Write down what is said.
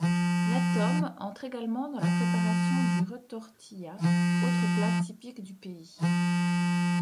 La tome entre également dans la préparation du retortillat, autre plat typique du pays.